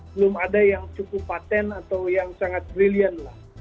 belum ada yang cukup patent atau yang sangat brilliant lah